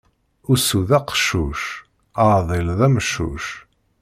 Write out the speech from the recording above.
Usu d aqeccuc, aɛdil d ameccuc.